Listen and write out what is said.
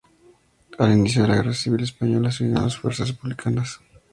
Al inicio de la Guerra Civil española se unió a las fuerzas republicanas.